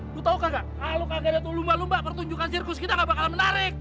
kau tau gak kalau kaget lu lumba lumba pertunjukan sirkus kita gak bakal menarik